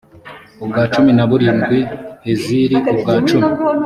ubwa cumi na burindwi heziri ubwa cumi